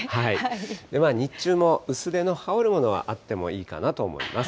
日中も薄手の羽織るものはあってもいいかなと思います。